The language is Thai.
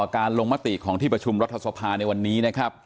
การลงมติของที่ประชุมรัฐสภาในวันนี้นะครับ